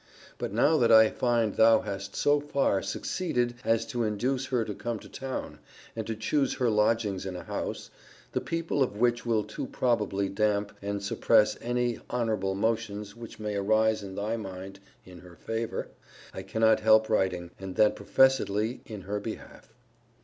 But now that I find thou hast so far succeeded, as to induce her to come to town, and to choose her lodgings in a house, the people of which will too probably damp and suppress any honourable motions which may arise in thy mind in her favour, I cannot help writing, and that professedly in her behalf.